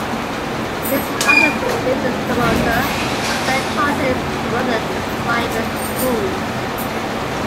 His father, a business promoter, sent Hart and his brother to private schools.